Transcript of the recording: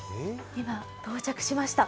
今、到着しました。